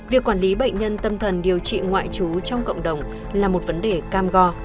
việc quản lý bệnh nhân tâm thần điều trị ngoại trú trong cộng đồng là một vấn đề cam go